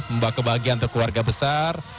membawa kebahagiaan untuk keluarga besar